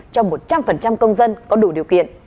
cho một trăm linh công dân có đủ điều kiện